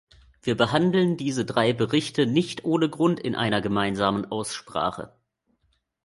Wir behandeln diese drei Berichte nicht ohne Grund in einer gemeinsamen Aussprache.